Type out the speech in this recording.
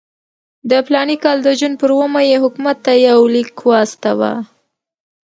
د فلاني کال د جون پر اوومه یې حکومت ته یو لیک واستاوه.